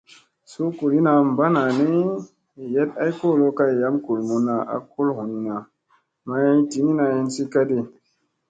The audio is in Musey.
Suu kuliina banani yeɗ ay kolo kay yam gulmunna a kul hunina may diniina hinsi kadi.